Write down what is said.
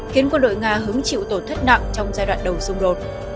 khiến quân đội nga hứng chịu tổn thất nặng trong giai đoạn đầu xung đột